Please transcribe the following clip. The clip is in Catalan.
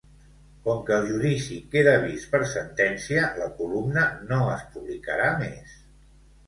Com que el judici queda vist per sentència, la columna no es publicarà més.